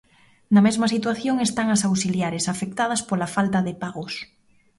Na mesma situación están as auxiliares afectadas pola falta de pagos.